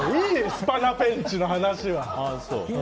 スパナペンチの話は。